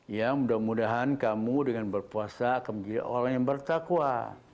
ya mudah mudahan kamu dengan berpuasa akan menjadi orang yang bertakwa